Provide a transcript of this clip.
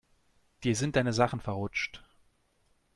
Dir sind deine Sachen verrutscht.